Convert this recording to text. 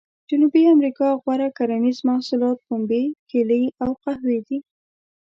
جنوبي امریکا غوره کرنیز محصولات پنبې، کېلې او قهوې دي.